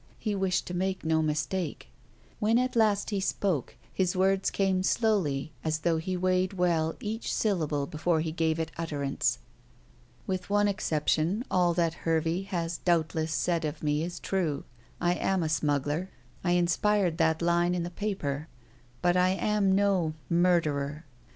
He wished to make no mistake. When at last he spoke his words came slowly as though he weighed well each syllable before he gave it utterance. "With one exception all that Hervey has doubtless said of me is true. I am a smuggler; I inspired that line in the paper; but I am no murderer.